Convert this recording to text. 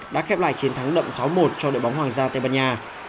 đã khép lại chiến thắng đậm sáu một cho đội bóng hoàng gia tây ban nha